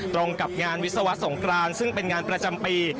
ตรงกับงานวิศวะสงครานซึ่งเป็นงานประจำปี